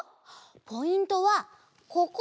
ポイントはここ！